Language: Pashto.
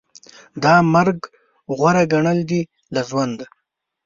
دا مرګ غوره ګڼل دي له ژوند